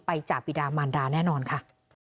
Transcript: ไปจากปีดามันดาแน่นอนค่ะ